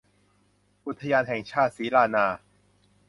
อุทยานแห่งชาติศรีลานนา